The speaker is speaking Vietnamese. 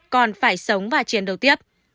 còn phải sống và chiến đấu tiếp